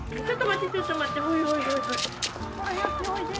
ちょっと待ってすごい。